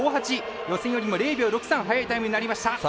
予選よりも０秒６３早いタイムになりました。